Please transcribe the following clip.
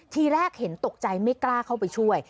ทีแรกเห็นตกใจไม่กล้าเข้าไปช่วย